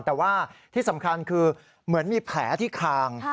แต่ว่าที่สำคัญคือเหมือนมีแผลที่คาง